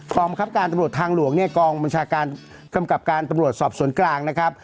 บังคับการตำรวจทางหลวงเนี่ยกองบัญชาการกำกับการตำรวจสอบสวนกลางนะครับ